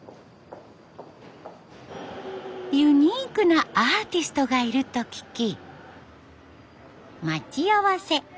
ユニークなアーティストがいると聞き待ち合わせ。